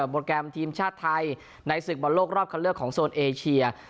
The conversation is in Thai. โปรแกรมทีมชาติไทยในศึกบอลโลกรอบคันเลือกของโซนเอเชีย